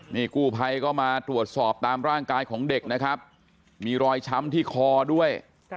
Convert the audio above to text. นี่กู้ภัยก็มาตรวจสอบตามร่างกายของเด็กนะครับมีรอยช้ำที่คอด้วย